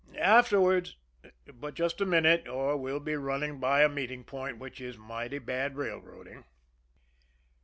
Afterwards but just a minute, or we'll be running by a meeting point, which is mighty bad railroading.